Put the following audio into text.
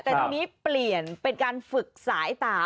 แต่ทีนี้เปลี่ยนเป็นการฝึกสายตา